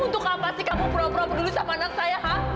untuk apa sih kamu pura pura bro lilan sama anak saya ha